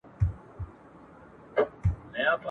بیا ماشومانو ته بربنډي حوري !.